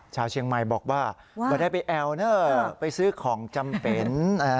ชาวเชียงใหม่บอกว่าไม่ได้ไปแอลเนอร์ไปซื้อของจำเป็น